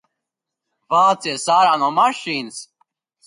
Vācies ārā no mašīnas!